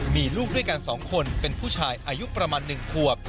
มีลูกด้วยกัน๒คนเป็นผู้ชายอายุประมาณ๑ขวบ